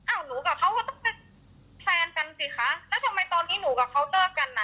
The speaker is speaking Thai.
อ้าวหนูกับเขาว่าต้องไปแฟนกันสิคะแล้วทำไมตอนนี้หนูกับเขาเติบกันนะ